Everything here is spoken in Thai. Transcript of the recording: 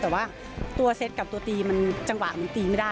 แต่ว่าตัวเซ็ตกับตัวตีมันจังหวะมันตีไม่ได้